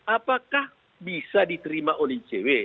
apakah bisa diterima oleh icw